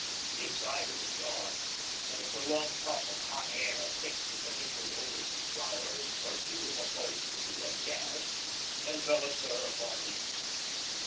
Inside it was dark, and a prolonged puff of hot air, thick with the mingled odours of flowers, perfume, upholstery, and gas, enveloped her upon the instant.